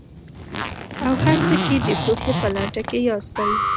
او هر څه کې د پوهې په لټه کې ياستئ.